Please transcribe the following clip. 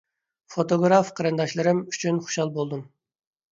فوتوگراف قېرىنداشلىرىم ئۈچۈن خۇشال بولدۇم.